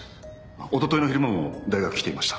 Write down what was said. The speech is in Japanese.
おとといの昼間も大学に来ていました。